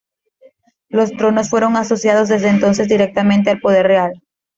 Los tronos fueron asociados desde entonces directamente al poder real.